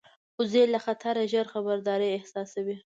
وزې له خطره ژر خبرداری احساسوي